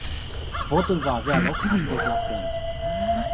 Votul va avea loc astăzi la prânz.